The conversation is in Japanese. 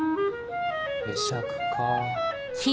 会釈かぁ。